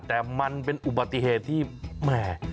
แต่มันเป็นอุบัติเหตุที่แหม่